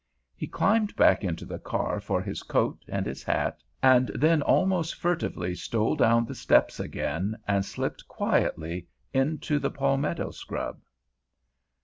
He climbed back into the car for his coat and his hat, and then almost furtively stole down the steps again and slipped quietly into the palmetto scrub.